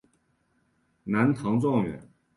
南唐状元。